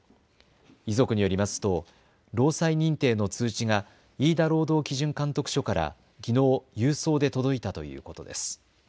遺族によりますと労災認定の通知が飯田労働基準監督署からきのう郵送で届いたということです。